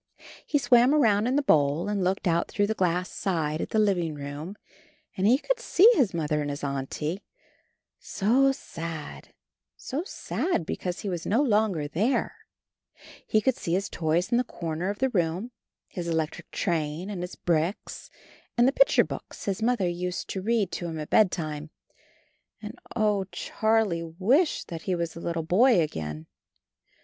He swam around in the bowl, and looked out through the glass side at the living room, and he could see his Mother and his Auntie, so sad, so sad, because he was no longer there ; he could see his toys in the comer of the room, his electric train, and his bricks, and the picture books his mother used to read to him at bedtime. And, oh! Charlie wished that he was a little boy again.